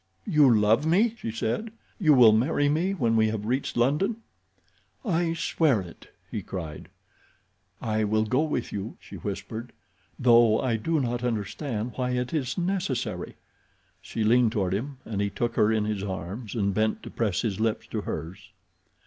"You love me?" she said. "You will marry me when we have reached London?" "I swear it," he cried. "I will go with you," she whispered, "though I do not understand why it is necessary." She leaned toward him and he took her in his arms and bent to press his lips to hers.